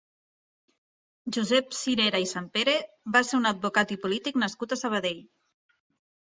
Josep Cirera i Sampere va ser un advocat i polític nascut a Sabadell.